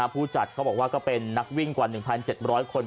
ผู้จัดเขาบอกว่าก็เป็นนักวิ่งกว่า๑๗๐๐คน